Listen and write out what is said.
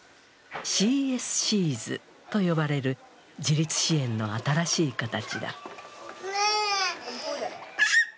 ＣＳＣｓと呼ばれる自立支援の新しい形だ。